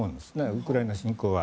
ウクライナ侵攻は。